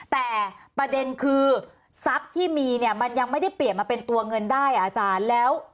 แต่ประเด็นคือทรัพย์ที่มีเนี่ยมันยังไม่ได้เปลี่ยนมาเป็นตัวเงินได้อาจารย์แล้ว